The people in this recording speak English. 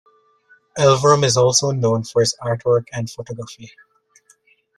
Elverum is also known for his artwork and photography.